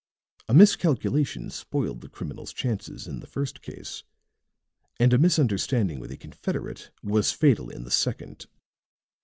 A miscalculation spoiled the criminals' chances in the first case; and a misunderstanding with a confederate was fatal in the second.